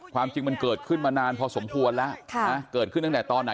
ความจริงมันเกิดขึ้นมานานพอสมควรแล้วเกิดขึ้นตั้งแต่ตอนไหน